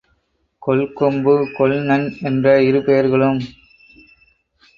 கொள்கொம்பு, கொள்நன் என்ற இரு பெயர்களும்